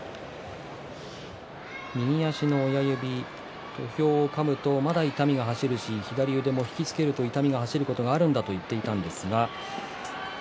右足の親指土俵をかむとまだ痛みが走るし左腕も引き付けると痛みが走ることがあるんだと言っていたんですが。